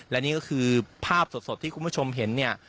และนี่ก็คือภาพสดที่คุณผู้ชมเห็นเนี่ย